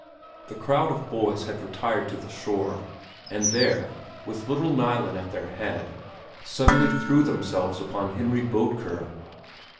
The crowd of boys had retired to the shore, and there, with little Nilen at their head, suddenly threw themselves upon Henry Bodker.